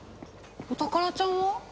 お宝ちゃんは？